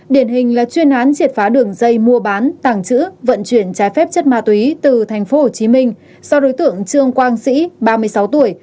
điển hình là chuyên án triệt phá đường dây mua bán tàng trữ vận chuyển trái phép chất ma túy từ tp hcm do đối tượng trương quang sĩ ba mươi sáu tuổi